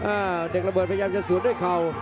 เด็กระเบิดพยายามจะสวนด้วยเข่า